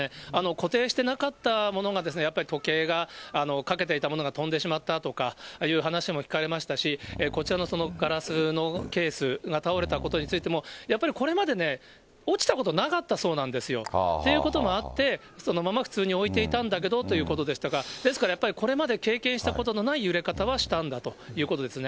固定してなかったものが、やっぱり時計が、かけていたものが飛んでしまったとかいう話も聞かれましたし、こちらのガラスのケースが倒れたことについても、やっぱりこれまでね、落ちたことなかったそうなんですよ。ということもあって、そのまま普通に置いていたんだけどということでしたが、ですからやっぱり、これまで経験したことのない揺れ方はしたんだということですね。